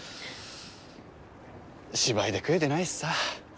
芝居で食えてないしさ。